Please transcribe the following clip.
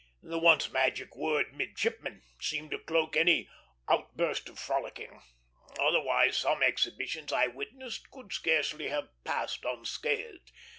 The once magic word "midshipman" seemed to cloak any outburst of frolicking; otherwise some exhibitions I witnessed could scarcely have passed unscathed.